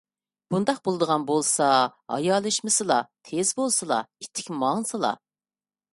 بۇنداق بولىدىغان بولسا ھايالشىمىسىلا، تېز بولسىلا! ئىتتىك ماڭسىلا.